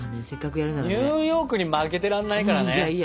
ニューヨークに負けてらんないからね。